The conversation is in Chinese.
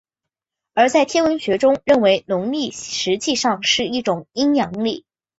而在天文学中认为农历实际上是一种阴阳历。